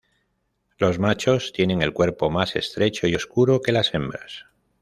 Los machos tienen el cuerpo más estrecho y oscuro que las hembras.